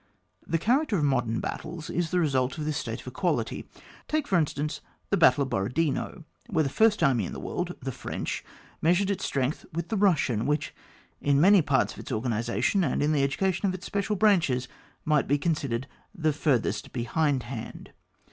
The character of modern battles is the result of this state of equality. Take for instance the battle of Borodino, where the first army in the world, the French, measured its strength with the Eussian, which, in mtmy parts of its organisation, and in the education of its special branches, might be considered the furthest behindhand.